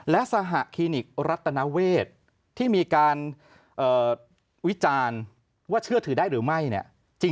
และสหคลินิกรัตนเวศที่มีการวิจารณ์ว่าเชื่อถือได้หรือไม่เนี่ย